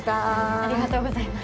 ありがとうございます。